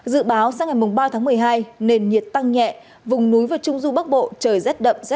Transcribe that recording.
dự báo sang ngày ba tháng một mươi hai nền nhiệt tăng nhẹ vùng núi và trung du bắc bộ trời rét đậm rét hại vùng đông bằng bắc bộ trời rét